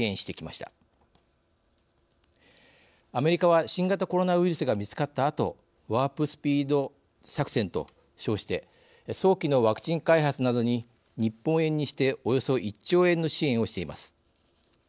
アメリカは新型コロナウイルスが見つかったあとワープスピード作戦と称して早期のワクチン開発などに日本円にしておよそ１兆円の支援をしています。